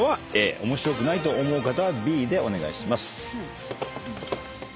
面白くないと思う方はＢでお願いします。